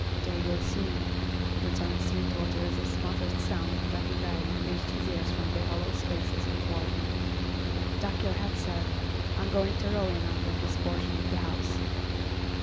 "They will soon," returned Sweetwater as a smothered sound of clanking iron reached his ears from the hollow spaces before him. "Duck your head, sir; I'm going to row in under this portion of the house."